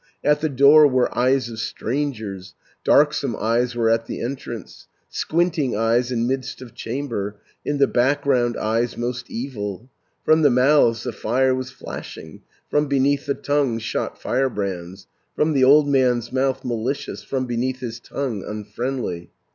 At the door were eyes of strangers: Darksome eyes were at the entrance, 570 Squinting eyes in midst of chamber, In the background eyes most evil. From the mouths the fire was flashing, From beneath the tongues shot firebrands, From the old man's mouth malicious, From beneath his tongue unfriendly.